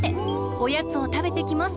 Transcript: おやつをたべてきます。